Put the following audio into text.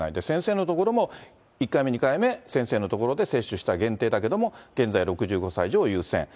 先生のところも１回目、２回目、先生の所で接種した限定だけれども、現在６５歳以上優先。